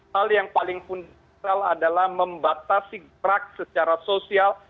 hal yang paling fundamental adalah membatasi gerak secara sosial